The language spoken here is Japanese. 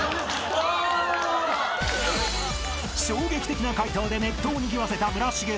［衝撃的な解答でネットをにぎわせた村重さん］